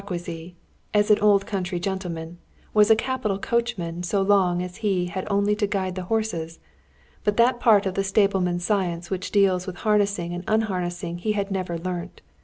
] Our dear friend János Rákóczy, as an old country gentleman, was a capital coachman so long as he had only to guide the horses, but that part of the stableman's science which deals with harnessing and unharnessing he had never learnt.